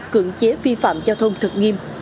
cưỡng chế vi phạm giao thông thật nghiêm